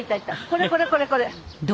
これこれこれこれ。